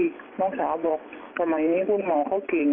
ธนักมองชาวบอกประมาณนี้คุณหมอเขาเก่ง